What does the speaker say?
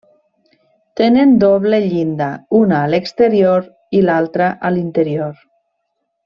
Tenen doble llinda, una a l'exterior i l'altra a l'interior.